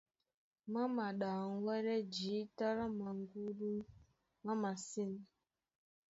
Má maɗaŋgwɛ́lɛ́ jǐta lá maŋgúdú má masîn.